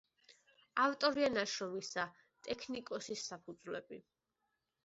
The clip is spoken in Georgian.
ავტორია ნაშრომისა „ტექტონიკის საფუძვლები“.